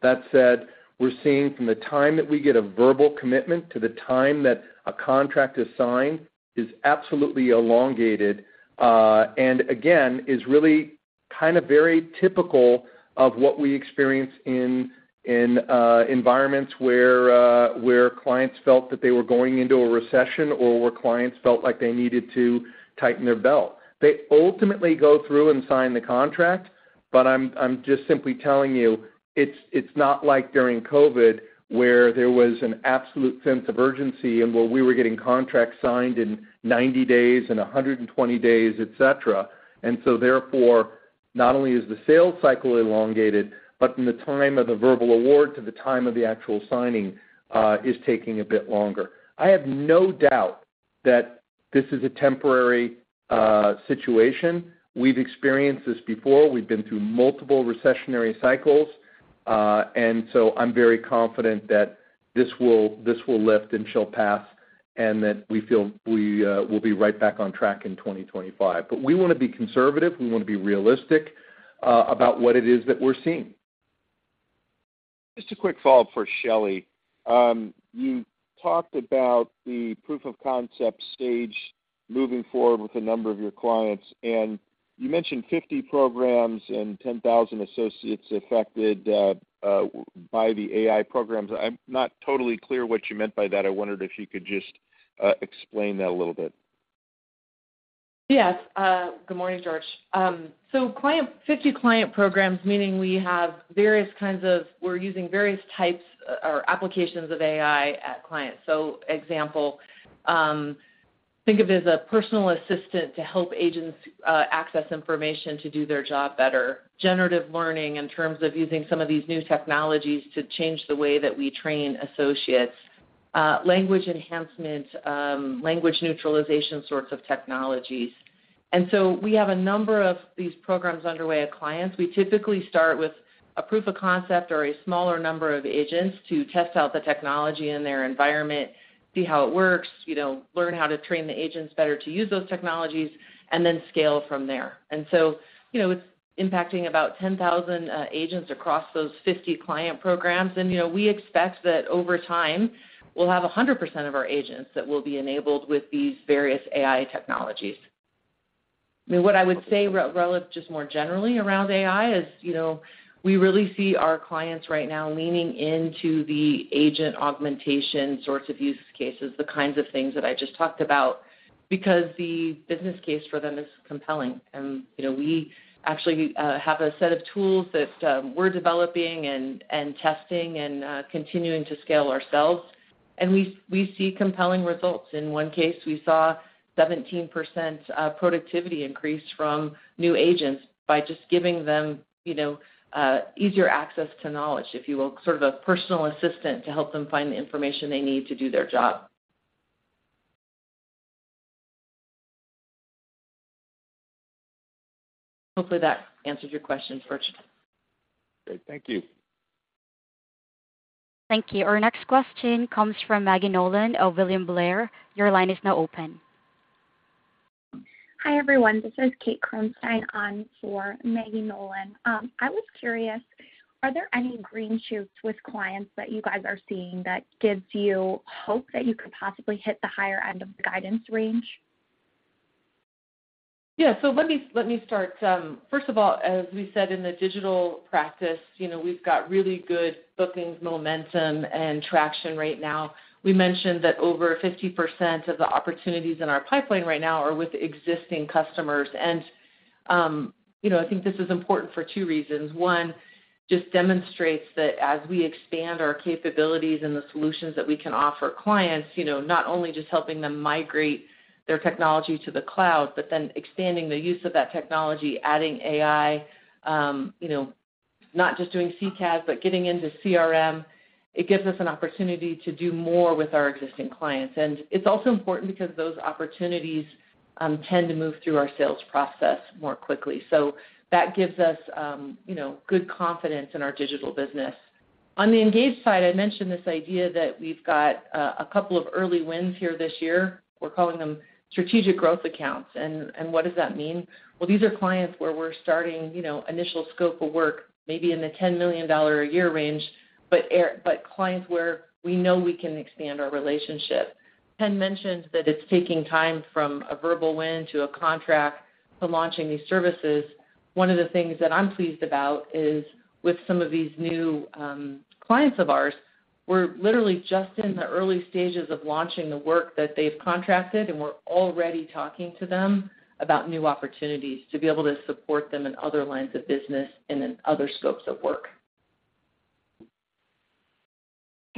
That said, we're seeing from the time that we get a verbal commitment to the time that a contract is signed is absolutely elongated and, again, is really kind of very typical of what we experience in environments where clients felt that they were going into a recession or where clients felt like they needed to tighten their belt. They ultimately go through and sign the contract, but I'm just simply telling you, it's not like during COVID where there was an absolute sense of urgency and where we were getting contracts signed in 90 days and 120 days, etc. And so therefore, not only is the sales cycle elongated, but from the time of the verbal award to the time of the actual signing is taking a bit longer. I have no doubt that this is a temporary situation. We've experienced this before. We've been through multiple recessionary cycles. And so I'm very confident that this will lift and shall pass and that we feel we will be right back on track in 2025. But we want to be conservative. We want to be realistic about what it is that we're seeing.
Just a quick follow-up for Shelly. You talked about the proof of concept stage moving forward with a number of your clients, and you mentioned 50 programs and 10,000 associates affected by the AI programs. I'm not totally clear what you meant by that. I wondered if you could just explain that a little bit.
Yes. Good morning, George. So 50 client programs, meaning we have various kinds of we're using various types or applications of AI at clients. So example, think of it as a personal assistant to help agents access information to do their job better, generative learning in terms of using some of these new technologies to change the way that we train associates, language enhancement, language neutralization sorts of technologies. And so we have a number of these programs underway at clients. We typically start with a proof of concept or a smaller number of agents to test out the technology in their environment, see how it works, learn how to train the agents better to use those technologies, and then scale from there. And so it's impacting about 10,000 agents across those 50 client programs. And we expect that over time, we'll have 100% of our agents that will be enabled with these various AI technologies. I mean, what I would say relevant just more generally around AI is we really see our clients right now leaning into the agent augmentation sorts of use cases, the kinds of things that I just talked about because the business case for them is compelling. And we actually have a set of tools that we're developing and testing and continuing to scale ourselves. And we see compelling results. In one case, we saw 17% productivity increase from new agents by just giving them easier access to knowledge, if you will, sort of a personal assistant to help them find the information they need to do their job. Hopefully, that answered your question, George.
Great. Thank you.
Thank you. Our next question comes from Maggie Nolan of William Blair. Your line is now open.
Hi, everyone. This is Kate Kronstein on for Maggie Nolan. I was curious, are there any green shoots with clients that you guys are seeing that gives you hope that you could possibly hit the higher end of the guidance range?
Yeah. So let me start. First of all, as we said in the Digital practice, we've got really good bookings momentum and traction right now. We mentioned that over 50% of the opportunities in our pipeline right now are with existing customers. And I think this is important for two reasons. One, just demonstrates that as we expand our capabilities and the solutions that we can offer clients, not only just helping them migrate their technology to the cloud, but then expanding the use of that technology, adding AI, not just doing CCaaS, but getting into CRM, it gives us an opportunity to do more with our existing clients. And it's also important because those opportunities tend to move through our sales process more quickly. So that gives us good confidence in our Digital business. On the engaged side, I mentioned this idea that we've got a couple of early wins here this year. We're calling them strategic growth accounts. What does that mean? Well, these are clients where we're starting initial scope of work maybe in the $10 million a year range, but clients where we know we can expand our relationship. Ken mentioned that it's taking time from a verbal win to a contract to launching these services. One of the things that I'm pleased about is with some of these new clients of ours, we're literally just in the early stages of launching the work that they've contracted, and we're already talking to them about new opportunities to be able to support them in other lines of business and in other scopes of work.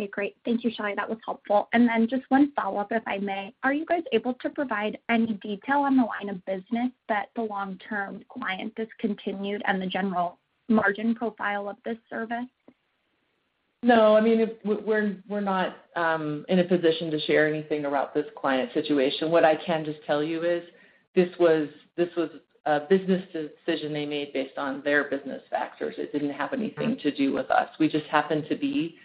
Okay. Great. Thank you, Shelly. That was helpful. And then just one follow-up, if I may. Are you guys able to provide any detail on the line of business that the long-term client discontinued and the general margin profile of this service?
No. I mean, we're not in a position to share anything about this client situation. What I can just tell you is this was a business decision they made based on their business factors. It didn't have anything to do with us. We just happen to be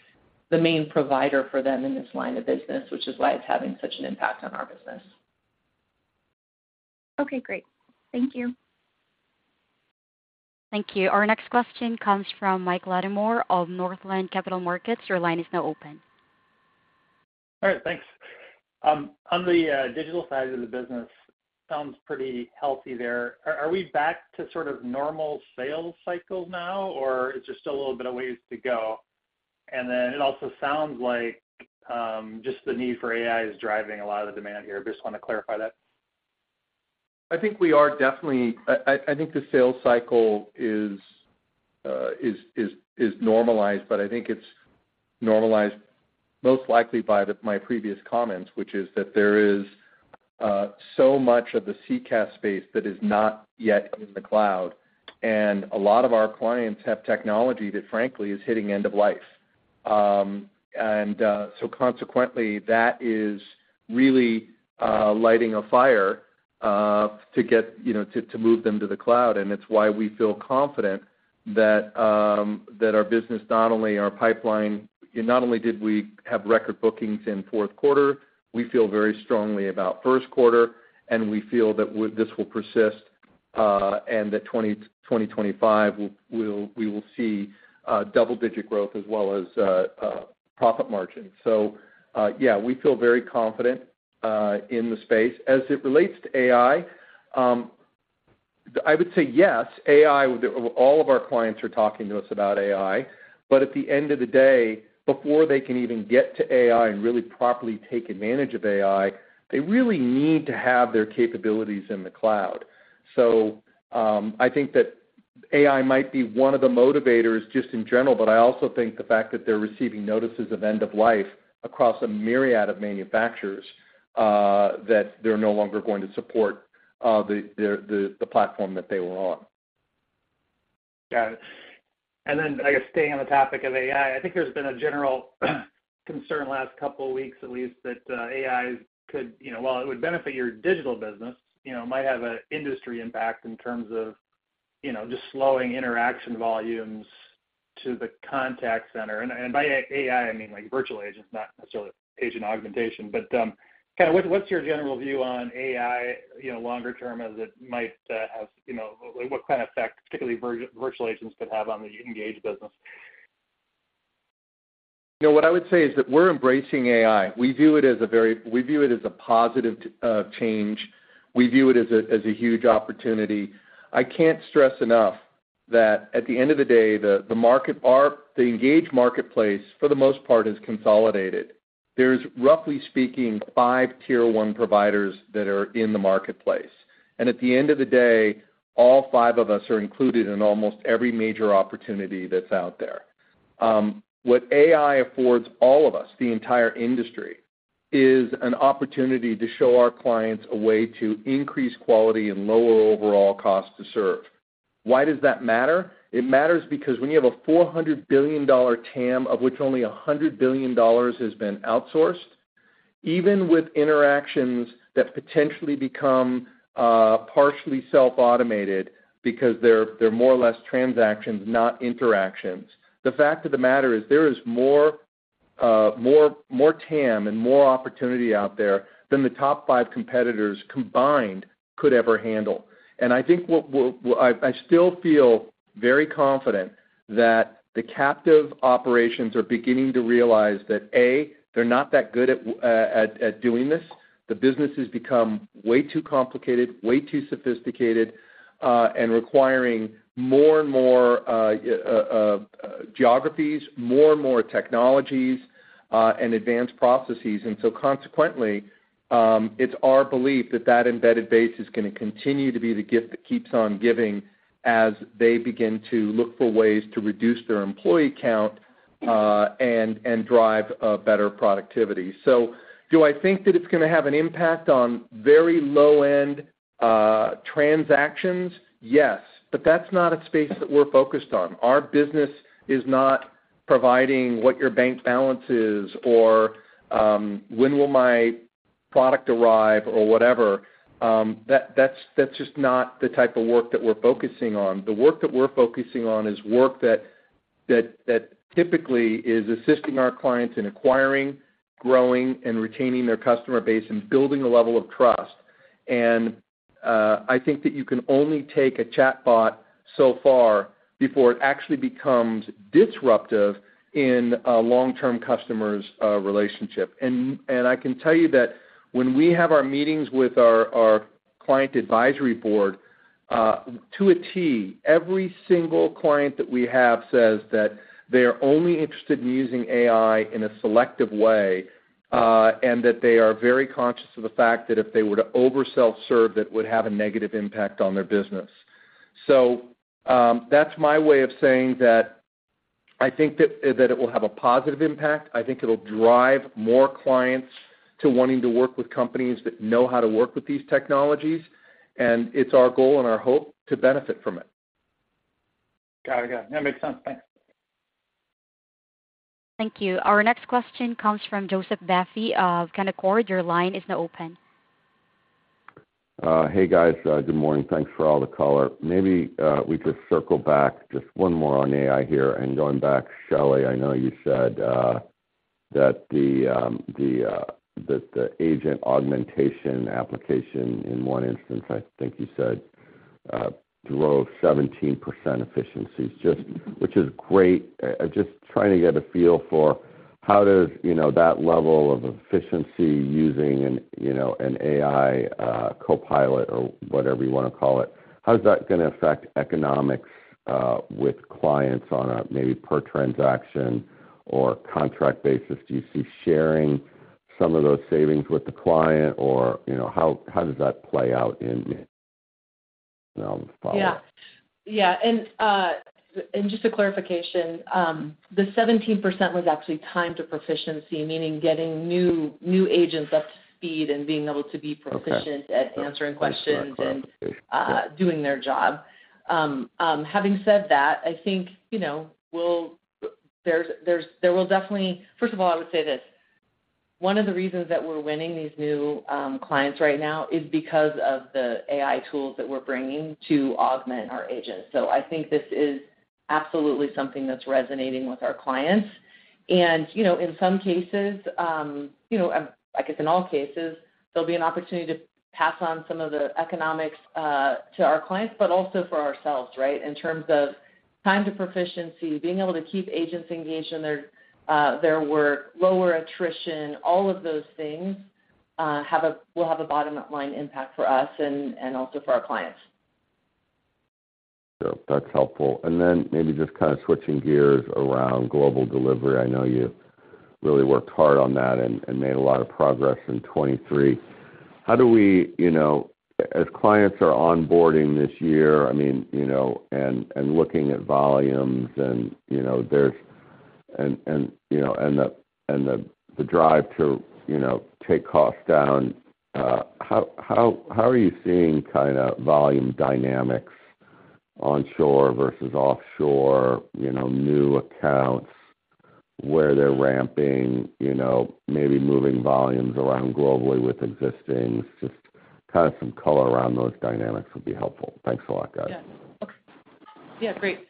the main provider for them in this line of business, which is why it's having such an impact on our business.
Okay. Great. Thank you.
Thank you. Our next question comes from Mike Lattimore of Northland Capital Markets. Your line is now open.
All right. Thanks. On the Digital side of the business, sounds pretty healthy there. Are we back to sort of normal sales cycles now, or is there still a little bit of ways to go? And then it also sounds like just the need for AI is driving a lot of the demand here. I just want to clarify that.
I think we are definitely. I think the sales cycle is normalized, but I think it's normalized most likely by my previous comments, which is that there is so much of the CCaaS space that is not yet in the cloud. And a lot of our clients have technology that, frankly, is hitting end of life. And so consequently, that is really lighting a fire to get to move them to the cloud. And it's why we feel confident that our business not only our pipeline not only did we have record bookings in fourth quarter. We feel very strongly about first quarter, and we feel that this will persist and that 2025, we will see double-digit growth as well as profit margins. So yeah, we feel very confident in the space. As it relates to AI, I would say yes. All of our clients are talking to us about AI. But at the end of the day, before they can even get to AI and really properly take advantage of AI, they really need to have their capabilities in the cloud. So I think that AI might be one of the motivators just in general, but I also think the fact that they're receiving notices of end of life across a myriad of manufacturers that they're no longer going to support the platform that they were on.
Got it. And then I guess staying on the topic of AI, I think there's been a general concern last couple of weeks, at least, that AI could while it would benefit your Digital business, it might have an industry impact in terms of just slowing interaction volumes to the contact center. And by AI, I mean virtual agents, not necessarily agent augmentation. But kind of what's your general view on AI longer term as it might have what kind of effect, particularly virtual agents, could have on the engaged business?
What I would say is that we're embracing AI. We view it as a positive change. We view it as a huge opportunity. I can't stress enough that at the end of the day, the engaged marketplace, for the most part, has consolidated. There's, roughly speaking, five tier-one providers that are in the marketplace. And at the end of the day, all five of us are included in almost every major opportunity that's out there. What AI affords all of us, the entire industry, is an opportunity to show our clients a way to increase quality and lower overall cost to serve. Why does that matter? It matters because when you have a $400 billion TAM, of which only $100 billion has been outsourced, even with interactions that potentially become partially self-automated because they're more or less transactions, not interactions, the fact of the matter is there is more TAM and more opportunity out there than the top five competitors combined could ever handle. I think what I still feel very confident that the captive operations are beginning to realize that, A, they're not that good at doing this. The business has become way too complicated, way too sophisticated, and requiring more and more geographies, more and more technologies, and advanced processes. So consequently, it's our belief that that embedded base is going to continue to be the gift that keeps on giving as they begin to look for ways to reduce their employee count and drive better productivity. So do I think that it's going to have an impact on very low-end transactions? Yes. But that's not a space that we're focused on. Our business is not providing what your bank balance is or when will my product arrive or whatever. That's just not the type of work that we're focusing on. The work that we're focusing on is work that typically is assisting our clients in acquiring, growing, and retaining their customer base and building a level of trust. And I think that you can only take a chatbot so far before it actually becomes disruptive in a long-term customer's relationship. I can tell you that when we have our meetings with our client advisory board, to a T, every single client that we have says that they are only interested in using AI in a selective way and that they are very conscious of the fact that if they were to overself-serve, that would have a negative impact on their business. So that's my way of saying that I think that it will have a positive impact. I think it'll drive more clients to wanting to work with companies that know how to work with these technologies. It's our goal and our hope to benefit from it.
Got it. Got it. Yeah. Makes sense. Thanks.
Thank you. Our next question comes from Joseph Vafi of Canaccord. Your line is now open.
Hey, guys. Good morning. Thanks for all the color. Maybe we just circle back just one more on AI here. And going back, Shelly, I know you said that the agent augmentation application, in one instance, I think you said, drove 17% efficiencies, which is great. I'm just trying to get a feel for how does that level of efficiency using an AI copilot or whatever you want to call it, how is that going to affect economics with clients on a maybe per transaction or contract basis? Do you see sharing some of those savings with the client, or how does that play out in the follow-up?
Yeah. Yeah. And just a clarification, the 17% was actually time to proficiency, meaning getting new agents up to speed and being able to be proficient at answering questions and doing their job. Having said that, I think there will definitely first of all, I would say this. One of the reasons that we're winning these new clients right now is because of the AI tools that we're bringing to augment our agents. So I think this is absolutely something that's resonating with our clients. And in some cases I guess in all cases, there'll be an opportunity to pass on some of the economics to our clients, but also for ourselves, right, in terms of time to proficiency, being able to keep agents engaged in their work, lower attrition. All of those things will have a bottom-line impact for us and also for our clients.
So that's helpful. Then maybe just kind of switching gears around global delivery. I know you really worked hard on that and made a lot of progress in 2023. How do we as clients are onboarding this year, I mean, and looking at volumes and there's and the drive to take costs down, how are you seeing kind of volume dynamics onshore versus offshore, new accounts, where they're ramping, maybe moving volumes around globally with existing? Just kind of some color around those dynamics would be helpful. Thanks a lot, guys.
Yeah. Okay. Yeah. Great.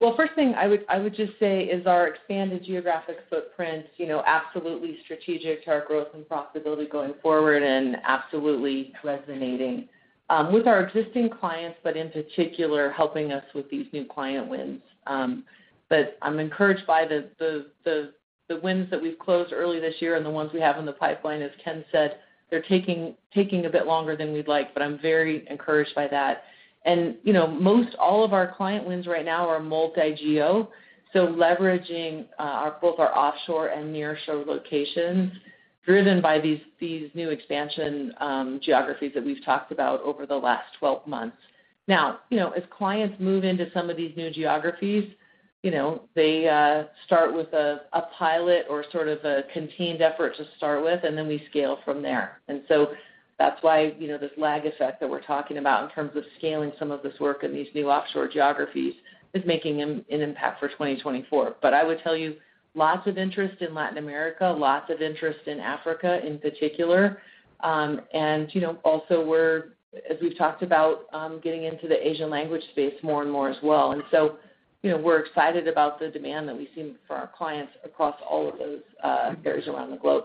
Well, first thing I would just say is our expanded geographic footprint absolutely strategic to our growth and profitability going forward and absolutely resonating with our existing clients, but in particular, helping us with these new client wins. But I'm encouraged by the wins that we've closed early this year and the ones we have in the pipeline. As Ken said, they're taking a bit longer than we'd like, but I'm very encouraged by that. And all of our client wins right now are multi-geo. So leveraging both our offshore and nearshore locations driven by these new expansion geographies that we've talked about over the last 12 months. Now, as clients move into some of these new geographies, they start with a pilot or sort of a contained effort to start with, and then we scale from there. And so that's why this lag effect that we're talking about in terms of scaling some of this work in these new offshore geographies is making an impact for 2024. But I would tell you lots of interest in Latin America, lots of interest in Africa in particular. And also, as we've talked about, getting into the Asian language space more and more as well. And so we're excited about the demand that we see for our clients across all of those areas around the globe.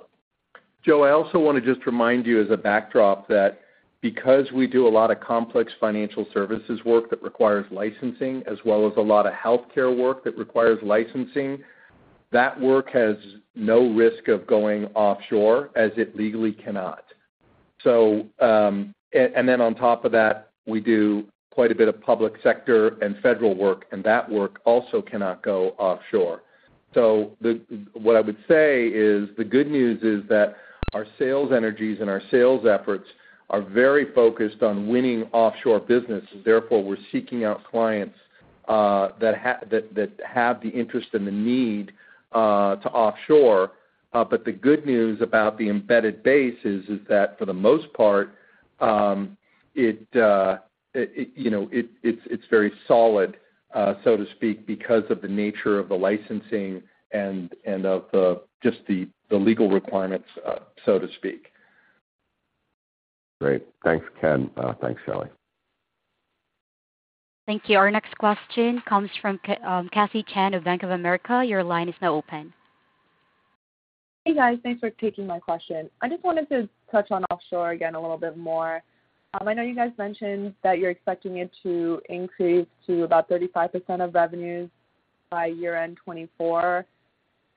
Joe, I also want to just remind you as a backdrop that because we do a lot of complex financial services work that requires licensing as well as a lot of healthcare work that requires licensing, that work has no risk of going offshore as it legally cannot. And then on top of that, we do quite a bit of public sector and federal work, and that work also cannot go offshore. So what I would say is the good news is that our sales energies and our sales efforts are very focused on winning offshore businesses. Therefore, we're seeking out clients that have the interest and the need to offshore. But the good news about the embedded base is that for the most part, it's very solid, so to speak, because of the nature of the licensing and of just the legal requirements, so to speak.
Great. Thanks, Ken. Thanks, Shelly.
Thank you. Our next question comes from Cassie Chan of Bank of America. Your line is now open.
Hey, guys. Thanks for taking my question. I just wanted to touch on offshore again a little bit more. I know you guys mentioned that you're expecting it to increase to about 35% of revenues by year-end 2024.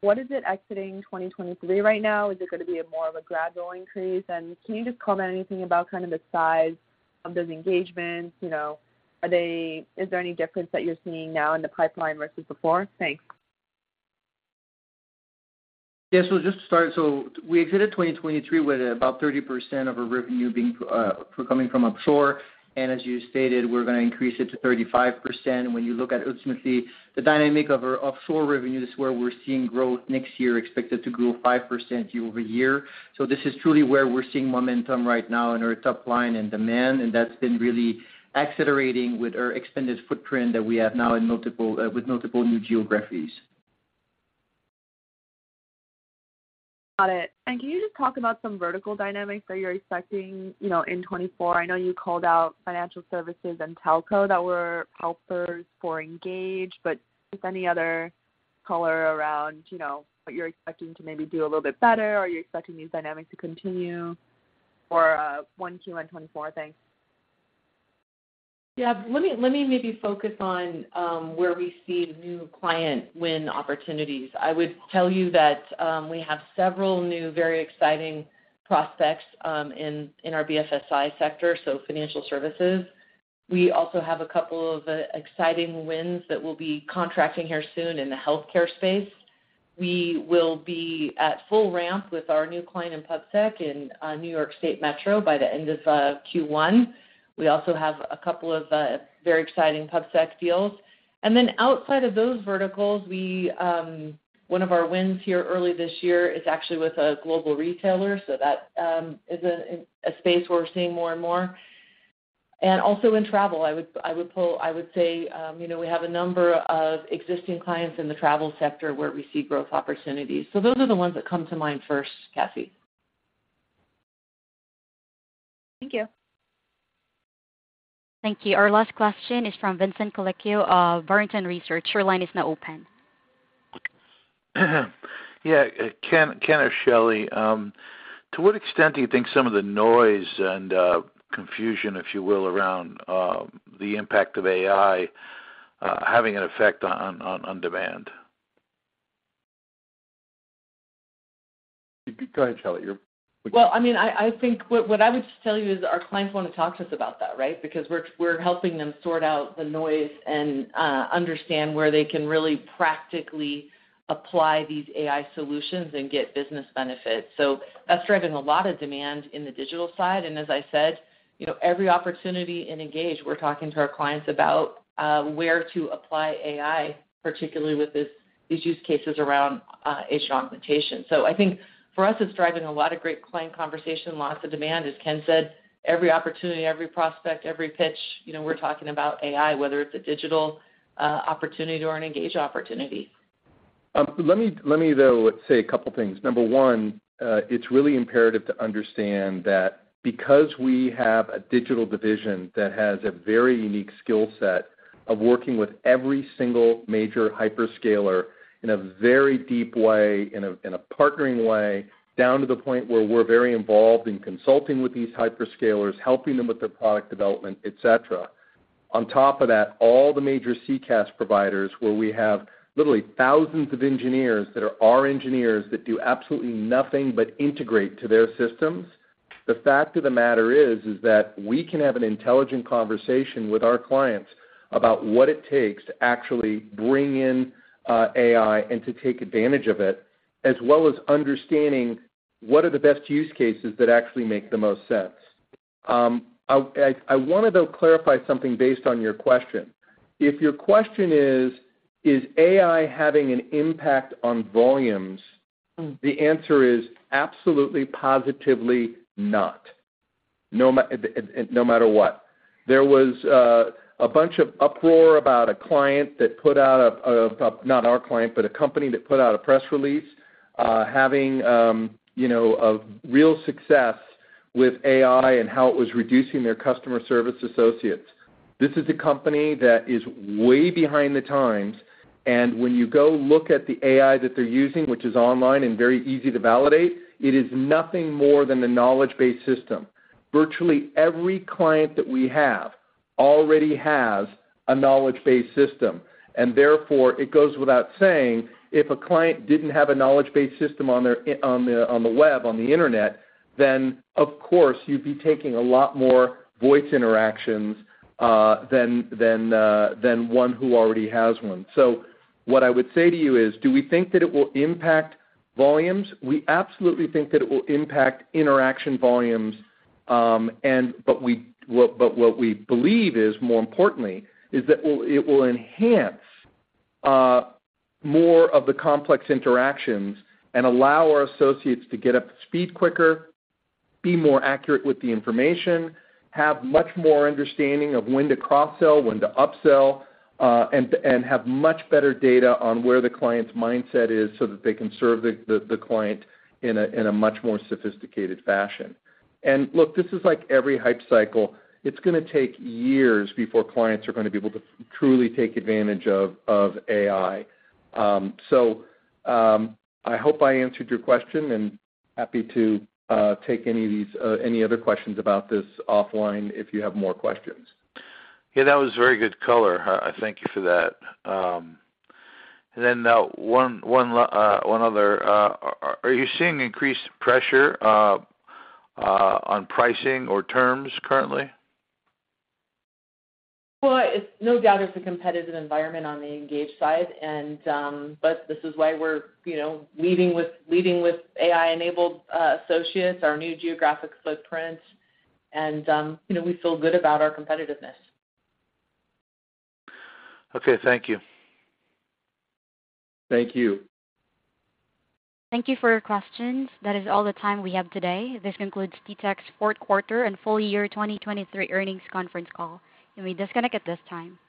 What is it exiting 2023 right now? Is it going to be more of a gradual increase? And can you just comment anything about kind of the size of those engagements? Is there any difference that you're seeing now in the pipeline versus before? Thanks.
Yes. So just to start, so we exited 2023 with about 30% of our revenue coming from offshore. And as you stated, we're going to increase it to 35%. When you look at ultimately the dynamic of our offshore revenue, this is where we're seeing growth next year, expected to grow 5% year-over-year. So this is truly where we're seeing momentum right now in our top line and demand. And that's been really accelerating with our expanded footprint that we have now with multiple new geographies.
Got it. And can you just talk about some vertical dynamics that you're expecting in 2024? I know you called out financial services and telco that were helpers for Engage, but just any other color around what you're expecting to maybe do a little bit better, or are you expecting these dynamics to continue for 1Q and 2024? Thanks.
Yeah. Let me maybe focus on where we see new client win opportunities. I would tell you that we have several new, very exciting prospects in our BFSI sector, so financial services. We also have a couple of exciting wins that we'll be contracting here soon in the healthcare space. We will be at full ramp with our new client in PubSec in New York State Metro by the end of Q1. We also have a couple of very exciting PubSec deals. And then outside of those verticals, one of our wins here early this year is actually with a global retailer. So that is a space where we're seeing more and more. And also in travel, I would say we have a number of existing clients in the travel sector where we see growth opportunities. So those are the ones that come to mind first, Cassie.
Thank you.
Thank you. Our last question is from Vincent Colicchio of Barrington Research. Your line is now open.
Yeah. Ken or Shelly, to what extent do you think some of the noise and confusion, if you will, around the impact of AI having an effect on demand?
Go ahead, Shelly. Well, I mean, I think what I would just tell you is our clients want to talk to us about that, right, because we're helping them sort out the noise and understand where they can really practically apply these AI solutions and get business benefits. So that's driving a lot of demand in the Digital side. And as I said, every opportunity in Engage, we're talking to our clients about where to apply AI, particularly with these use cases around agent augmentation. So I think for us, it's driving a lot of great client conversation, lots of demand. As Ken said, every opportunity, every prospect, every pitch, we're talking about AI, whether it's a Digital opportunity or an Engage opportunity.
Let me, though, say a couple of things. Number one, it's really imperative to understand that because we have a Digital division that has a very unique skill set of working with every single major hyperscaler in a very deep way, in a partnering way, down to the point where we're very involved in consulting with these hyperscalers, helping them with their product development, etc. On top of that, all the major CCaaS providers where we have literally thousands of engineers that are our engineers that do absolutely nothing but integrate to their systems, the fact of the matter is that we can have an intelligent conversation with our clients about what it takes to actually bring in AI and to take advantage of it, as well as understanding what are the best use cases that actually make the most sense. I want to, though, clarify something based on your question. If your question is, "Is AI having an impact on volumes?" the answer is absolutely, positively not, no matter what. There was a bunch of uproar about, not our client, but a company that put out a press release having a real success with AI and how it was reducing their customer service associates. This is a company that is way behind the times. When you go look at the AI that they're using, which is online and very easy to validate, it is nothing more than a knowledge-based system. Virtually every client that we have already has a knowledge-based system. Therefore, it goes without saying, if a client didn't have a knowledge-based system on the web, on the internet, then, of course, you'd be taking a lot more voice interactions than one who already has one. What I would say to you is, do we think that it will impact volumes? We absolutely think that it will impact interaction volumes. But what we believe is, more importantly, is that it will enhance more of the complex interactions and allow our associates to get up to speed quicker, be more accurate with the information, have much more understanding of when to cross-sell, when to upsell, and have much better data on where the client's mindset is so that they can serve the client in a much more sophisticated fashion. Look, this is like every hype cycle. It's going to take years before clients are going to be able to truly take advantage of AI. So I hope I answered your question and happy to take any other questions about this offline if you have more questions.
Yeah. That was very good color. I thank you for that. And then one other. Are you seeing increased pressure on pricing or terms currently?
Well, no doubt it's a competitive environment on the Engage side. But this is why we're leading with AI-enabled associates, our new geographic footprint. And we feel good about our competitiveness.
Okay. Thank you.
Thank you.
Thank you for your questions. That is all the time we have today. This concludes TTEC's fourth quarter and full year 2023 earnings conference call. We're just going to get this time.